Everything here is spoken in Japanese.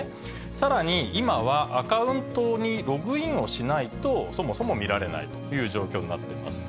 さらに、今はアカウントにログインをしないとそもそも見られないという状況になってます。